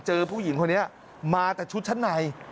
ผู้หญิงคนนี้มาแต่ชุดชั้นใน